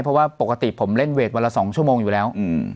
เพราะว่าปกติผมเล่นเวทวันละ๒ชั่วโมงอยู่แล้ว